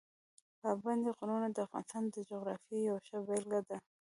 پابندي غرونه د افغانستان د جغرافیې یوه ښه بېلګه ده.